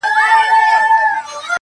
نه یې پای ته رسېدل اوږده بحثونه-